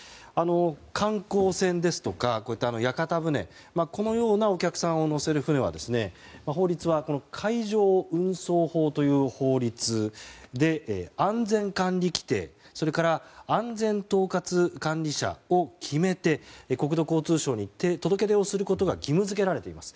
観光船ですとか屋形船このようなお客さんを乗せる船は法律は海上運送法という法律で安全管理規定そして、安全統括管理者を決めて国土交通省に届け出をすることが義務付けられています。